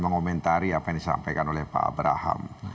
mengomentari apa yang disampaikan oleh pak abraham